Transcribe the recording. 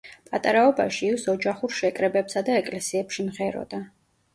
პატარაობაში ის ოჯახურ შეკრებებსა და ეკლესიებში მღეროდა.